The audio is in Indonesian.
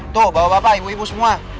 tuh bapak bapak ibu ibu semua